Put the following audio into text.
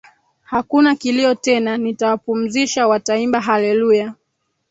Hakuna kilio tena Nitawapumzisha wataimba haleluya